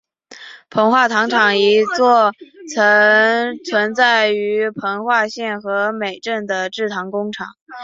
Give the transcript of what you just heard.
彰化糖厂一座曾存在于彰化县和美镇的制糖工厂。